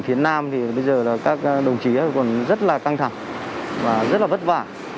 ở đỉnh phía nam thì bây giờ các đồng chí còn rất là căng thẳng và rất là vất vả